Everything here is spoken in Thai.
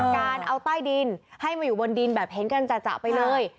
การเอาใต้ดินให้มาอยู่บนดินแบบเห็นกันจ่ะไปเลย